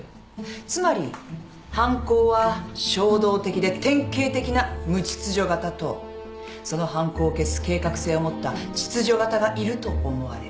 つまり犯行は衝動的で典型的な無秩序型とその犯行を消す計画性を持った秩序型がいると思われる。